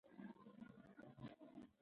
ملا غوښتل خبرې وکړي خو ستونی یې وچ شوی و.